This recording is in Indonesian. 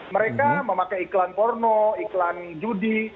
mereka memakai iklan porno iklan judi